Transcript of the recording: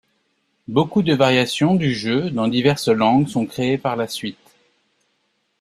Beaucoup de variations du jeu dans diverses langues sont créées par la suite.